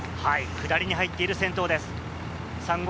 下りに入っている先頭です。